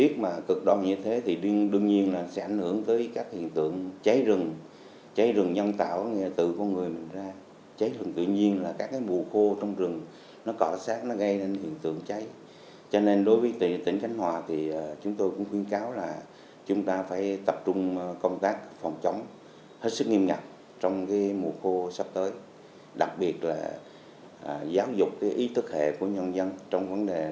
các phòng chống hết sức nghiêm ngặt trong mùa khô sắp tới đặc biệt là giáo dục ý thức hệ của nhân dân trong vấn đề bảo vệ rừng